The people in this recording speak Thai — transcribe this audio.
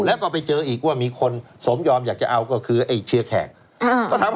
แล้วก็ไปเจออีกว่ามีคนสมยอมอยากจะเอาก็คือไอ้เชียร์แขกก็ทำ